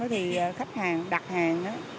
thì khách hàng đặt hàng đó